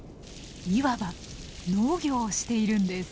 いわば農業をしているんです。